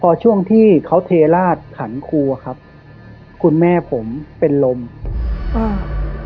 พอช่วงที่เขาเทราชขันครูอ่ะครับคุณแม่ผมเป็นลมอ่า